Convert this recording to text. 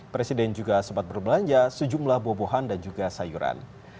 presiden juga sempat berbelanja sejumlah bobohan dan juga sayuran